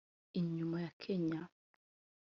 inyuma ya Kenya